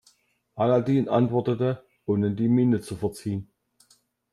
Aladin antwortete, ohne die Miene zu verziehen.